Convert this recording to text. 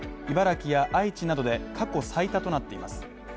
茨城や愛知などで過去最多となっています。